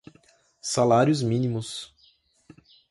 salários-mínimos